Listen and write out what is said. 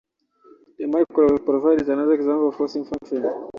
The microwave provides another example of a forcing function.